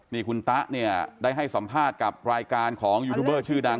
นี่คุณตะเนี่ยได้ให้สัมภาษณ์กับรายการของยูทูบเบอร์ชื่อดัง